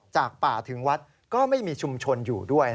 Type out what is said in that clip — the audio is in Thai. จากป่าถึงวัดก็ไม่มีชุมชนอยู่ด้วย